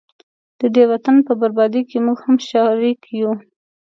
ددې وطن په بربادۍ کي موږه هم شریک وو